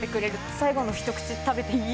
最後の一口、食べていい？